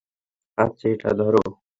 আচ্ছা, এটা ধরো।